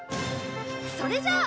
それじゃあ。